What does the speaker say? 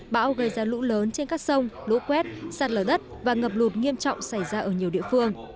bão gây ra lũ lớn trên các sông lũ quét sạt lở đất và ngập lụt nghiêm trọng xảy ra ở nhiều địa phương